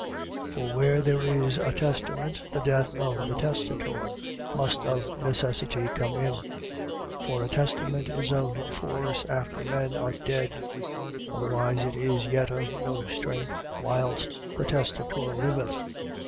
9:16. For where there is a testament the death of the testator must of necessity come in. 9:17. For a testament is of force after men are dead: otherwise it is as yet of no strength, whilst the testator liveth.